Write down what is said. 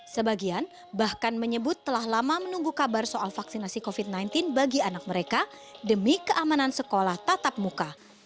sebagian bahkan menyebut telah lama menunggu kabar soal vaksinasi covid sembilan belas bagi anak mereka demi keamanan sekolah tatap muka